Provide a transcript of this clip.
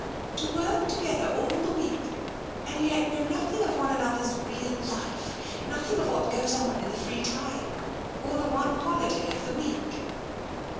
To work to gether all the week, and yet know nothing of one an other's real life — nothing of what goes on in the free time, or the one holiday of the week."